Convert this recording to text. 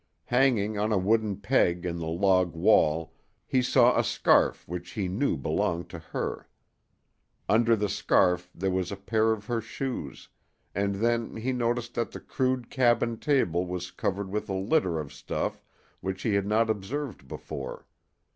Hanging on a wooden peg in the log wall he saw a scarf which he knew belonged to her. Under the scarf there was a pair of her shoes, and then he noticed that the crude cabin table was covered with a litter of stuff which he had not observed before.